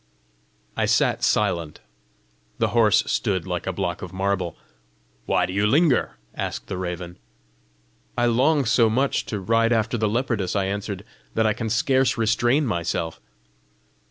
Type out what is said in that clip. I sat silent. The horse stood like a block of marble. "Why do you linger?" asked the raven. "I long so much to ride after the leopardess," I answered, "that I can scarce restrain myself!"